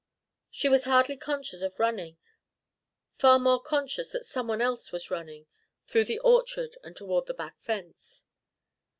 She was hardly conscious of running, far more conscious that some one else was running through the orchard and toward the back fence.